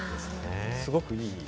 すごくいい。